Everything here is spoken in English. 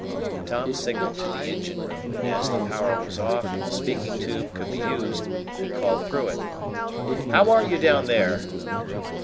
Tom signaled to the engine room, and, as the power was off and the speaking tube could be used, he called through it: "How are you down there?"